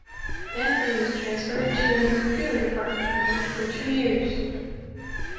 Then he was transferred to computer department and worked for two years.